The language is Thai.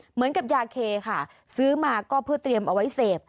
เหมือนกับยาเคค่ะซื้อมาก็เพื่อเตรียมเอาไว้เสพ